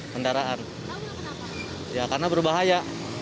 ya karena berbahaya